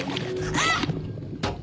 あっ！